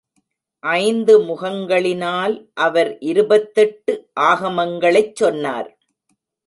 ஐந்து முகங்களினால் அவர் இருபத்தெட்டு ஆகமங்களைச் சொன்னார்.